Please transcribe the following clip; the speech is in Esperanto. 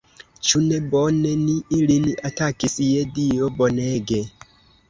Ĉu ne bone ni ilin atakis, je Dio, bonege!